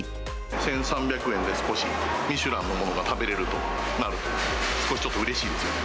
１３００円で少し、ミシュランのものが食べれるとなると、少しちょっとうれしいですよね。